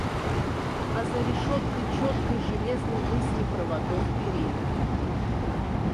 А за решеткой четкой железной мысли проводов — перина.